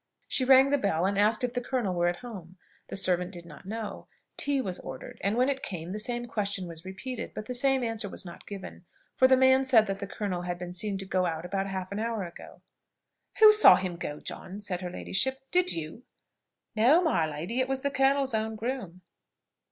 She rang the bell and asked if the colonel were at home. The servant did not know. Tea was ordered, and when it came the same question was repeated; but the same answer was not given, for the man said that the colonel had been seen to go out about half an hour ago. "Who saw him go, John?" said her ladyship; "did you?" "No, my lady, it was the colonel's own groom."